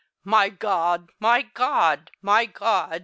"My God! my God! my God!"